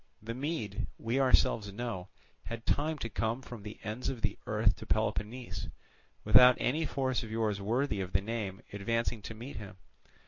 The Mede, we ourselves know, had time to come from the ends of the earth to Peloponnese, without any force of yours worthy of the name advancing to meet him.